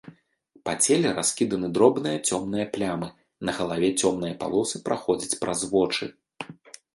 Па целе раскіданы дробныя цёмныя плямы, на галаве цёмныя палосы праходзяць праз вочы.